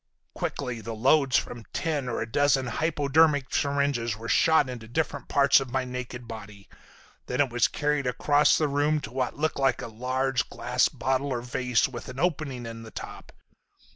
"Quickly the loads from ten or a dozen hypodermic syringes were shot into different parts of my naked body. Then it was carried across the room to what looked like a large glass bottle, or vase, with an opening in the top.